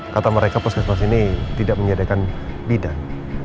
kata mereka puskesmas ini tidak menyediakan bidang